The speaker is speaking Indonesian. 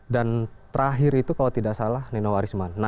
dan terakhir itu kalau tidak salah nino arisman